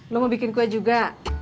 lo mau bikin kue juga